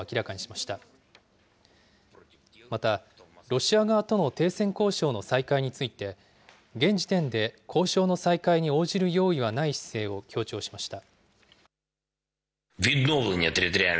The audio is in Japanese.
また、ロシア側との停戦交渉の再開について、現時点で交渉の再開に応じる用意はない姿勢を強調しました。